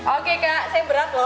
oke kak saya berat loh